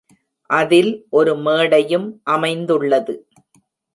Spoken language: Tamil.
அதில் ஒரு மேடையும் அமைந்துள்ளது.